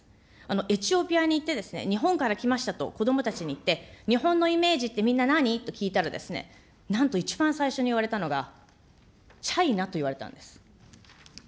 エチオピアに行って、日本から来ましたと子どもたちに言って、日本のイメージってみんな何と聞いたら、なんと一番最初に言われたのが、チャイナと言われたんです。